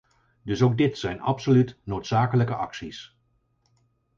Dus ook dit zijn absoluut noodzakelijke acties.